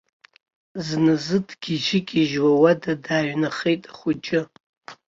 Зназы дгьежь-гьежьуа ауада дааҩнахеит ахәыҷы.